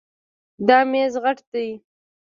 دا میز غټ ده